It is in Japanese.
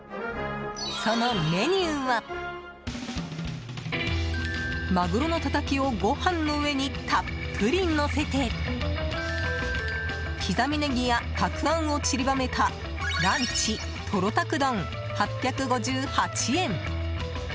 そのメニューはマグロのたたきをご飯の上にたっぷりのせて刻みネギやたくあんを散りばめたランチとろたく丼、８５８円。